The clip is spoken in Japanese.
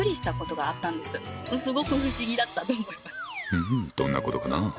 うんどんなことかな？